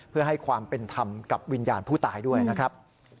เพื่อให้ความเป็นธรรมกับวิญญาณผู้ตายด้วยนะครับ